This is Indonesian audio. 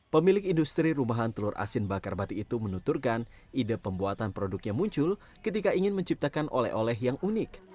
pemilik industri rumahan telur asin bakar batu itu menuturkan ide pembuatan produknya muncul ketika ingin menciptakan oleh oleh yang unik